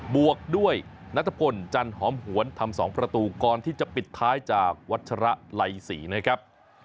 บวกด้วยนัทพลจันหอมหวนทำ๒ประตูก่อนที่จะปิดท้ายจากวัชระไลศรีนะครับ